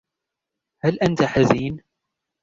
هل أنتَ حزين ؟